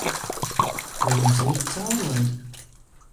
Vai Jums ir caurlaide?